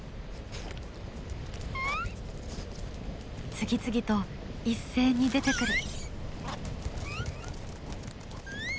次々と一斉に出てくる。